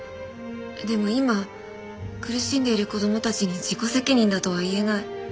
でも今苦しんでいる子供たちに自己責任だとは言えない。